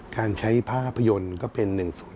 การใช้ภาพยนตร์ก็เป็น๑๐